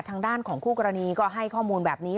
ทางด้านของคู่กรณีก็ให้ข้อมูลแบบนี้